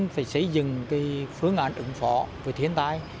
phải xây dựng phương án ứng phó với thiên tai